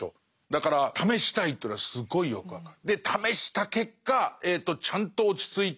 だから試したいというのはすごいよく分かる。